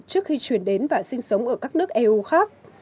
trước khi truyền đến và sinh sống ở các nước eu khác